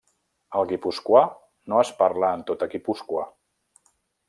El guipuscoà no es parla en tota Guipúscoa.